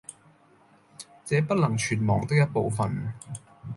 這不能全忘的一部分，